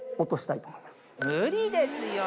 無理ですよー。